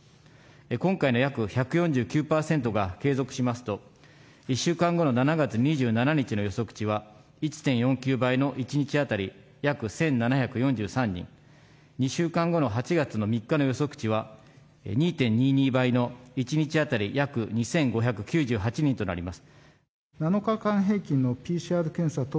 今回の約１４９％が継続しますと、１週間後の７月２７日の予測値は１．４９倍の１日当たり約１７４３人、２週間後の８月の３日の予測値は２．２２倍の１日当たり約２５９８人となります。